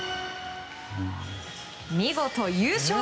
見事優勝。